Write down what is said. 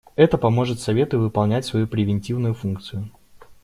Это поможет Совету выполнять свою превентивную функцию.